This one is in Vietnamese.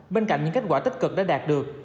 bên cạnh những kết quả tích cực đã đạt được